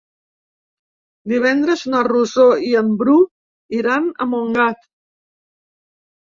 Divendres na Rosó i en Bru iran a Montgat.